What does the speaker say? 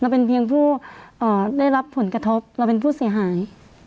เป็นเพียงผู้ได้รับผลกระทบเราเป็นผู้เสียหาย